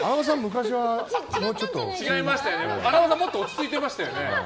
もっと落ち着いてましたよね。